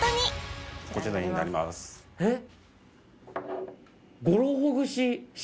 えっ！？